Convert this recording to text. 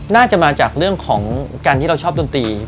น่าจะมาจากเรื่องของการที่เราชอบดนตรี